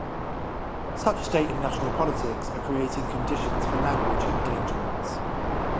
Such state and national politics are creating conditions for language endangerments.